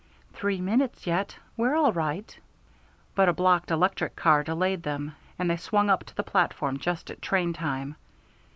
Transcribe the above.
"Three minutes yet. We're all right." But a blocked electric car delayed them, and they swung up to the platform just at train time.